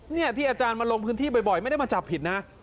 นี่ที่อาจารย์มาลงพื้นที่บ่อยไม่ได้มาจับผิดนะ